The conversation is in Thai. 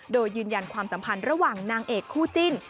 โดยยืนยันความสัมพันธ์ระหว่างนางเอกคู่จิ้น